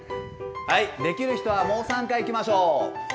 できる人はもう３回いきましょう。